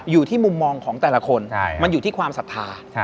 อยู่ที่มุมมองของแต่ละคนมันอยู่ที่ความศรัทธา